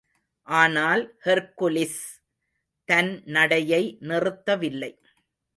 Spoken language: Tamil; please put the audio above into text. ஆனால் ஹெர்க்குலிஸ் தன் நடையை நிறுத்தவில்லை.